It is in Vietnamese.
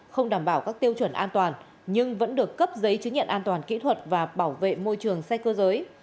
không đảm bảo các tiêu chuẩn an toàn nhưng vẫn được cấp giấy chứng nhận an toàn kỹ thuật và bảo vệ môi trường xe cơ giới